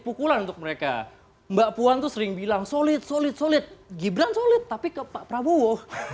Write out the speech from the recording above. pukulan untuk mereka mbak puan tuh sering bilang solid solid solid gibran solid tapi ke pak prabowo